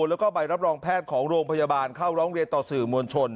แล้วก็ใบรับรองแพทย์ของโรงพยาบาลเข้าร้องเรียนต่อสื่อมวลชน